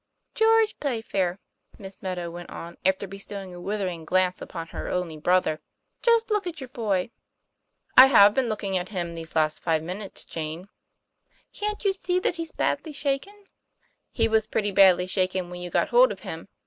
"George Playfair," Miss Meadow went on, after bestowing a withering glance upon her only brother, 'just look at your boy." " I have been looking at him these last five min utes, Jane." " Can't you see that he's badly shaken ?'" He was pretty badly shaken when you got hold of him.